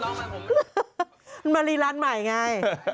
ก็มะลีร้านหมายไง